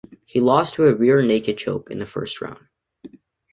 He lost to a rear naked choke in the first round.